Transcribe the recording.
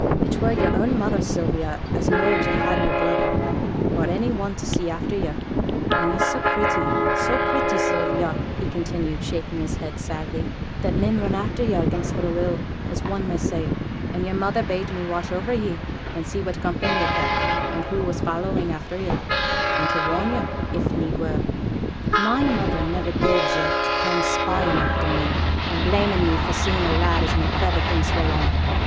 'It were yo'r own mother, Sylvia, as knowed yo' had no brother, or any one to see after yo'; and yo' so pretty, so pretty, Sylvia,' he continued, shaking his head, sadly, 'that men run after yo' against their will, as one may say; and yo'r mother bade me watch o'er ye and see what company yo' kept, and who was following after yo', and to warn yo', if need were.' 'My mother niver bade yo' to come spying after me, and blaming me for seeing a lad as my feyther thinks well on.